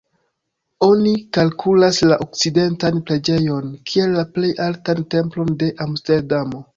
Oni kalkulas la Okcidentan preĝejon kiel la plej altan templon de Amsterdamo.